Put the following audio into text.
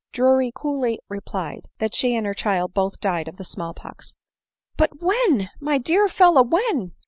Drury coolly replied, that she and her child both died * of the small pox. " But when ? my dear fellow !— when